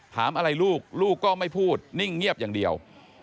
ถามอะไรลูกลูกก็ไม่พูดนิ่งเงียบอย่างเดียว